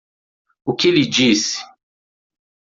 O que ele disse?